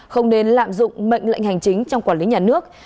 không nên lạm dụng mệnh lệnh hành chính trong quản lý nhà nước